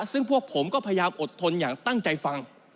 ซึ่งพวกผมก็พยายามอดทนอย่างตั้งใจฟัง